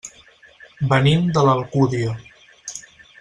Venim de l'Alcúdia.